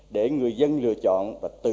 để người dân lựa chọn và tự dụng